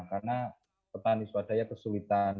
karena petani swadaya kesulitan